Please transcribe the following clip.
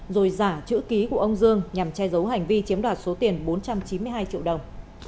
rồi giả chữ ký của ông dương nhằm che giấu hành vi chiếm đoạt số tiền bốn trăm chín mươi hai triệu đồng